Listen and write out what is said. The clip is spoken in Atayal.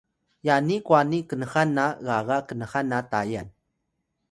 yani kwani knxan ga gaga knxan na Tayal